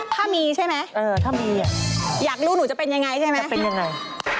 ถ้ามีใช่ไหมอยากรู้หนูจะเป็นอย่างไรใช่ไหมอืมจะเป็นอย่างไร